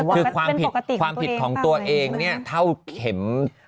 คือความผิดของตัวเองเนี่ยเท่าเข็ม